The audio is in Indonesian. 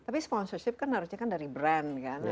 tapi sponsorship kan harusnya kan dari brand kan